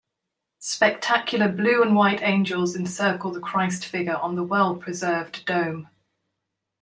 Spectacular blue and white angels encircle the Christ figure on the well-preserved dome.